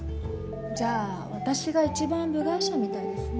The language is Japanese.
じゃあ私が一番部外者みたいですね。